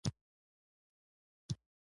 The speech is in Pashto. رسوب د افغانستان د طبعي سیسټم توازن ساتي.